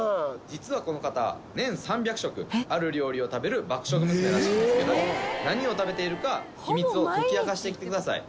実はこの方年３００食ある料理を食べる爆食娘らしいんですけど何を食べているか秘密を解き明かしていってください。